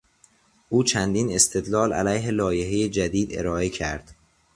او چندین استدلال علیه لایحهی جدید ارائه کرد.